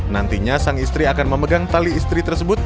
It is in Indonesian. nantinya sang istri akan memegang tali istri tersebut